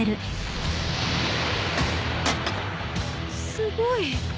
すごい。